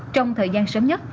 trong thời gian sớm nhất